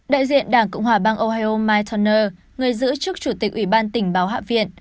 đại diện đảng cộng hòa bang ohio mike turner người giữ chức chủ tịch ủy ban tỉnh báo hạ viện